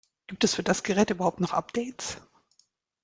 Gibt es für das Gerät überhaupt noch Updates?